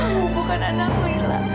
kamu bukan anak lila